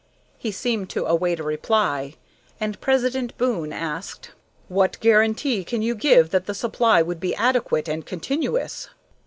He seemed to await a reply, and President Boon asked: "What guarantee can you give that the supply would be adequate and continuous?"